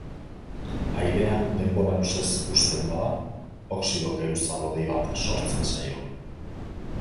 Airean denbora luzez uzten bada, oxido-geruza lodi bat sortzen zaio.